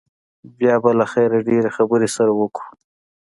بيا به له خيره ډېرې خبرې سره وکو.